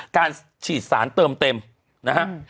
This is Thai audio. การฉีดสารเติมเต็มนะฮะ